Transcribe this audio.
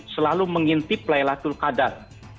selalu mengintip laylatul qadar